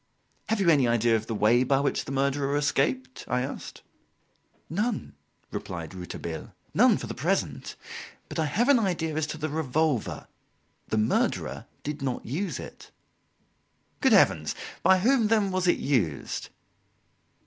"Have you any idea of the way by which the murderer escaped?" I asked. "None," replied Rouletabille "none, for the present. But I have an idea as to the revolver; the murderer did not use it." "Good Heavens! By whom, then, was it used?"